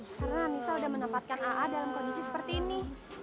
karena anissa udah menempatkan aa dalam kondisi seperti ini